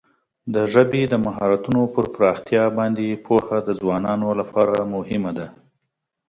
د ژبې د مهارتونو پر پراختیا باندې پوهه د ځوانانو لپاره مهمه ده.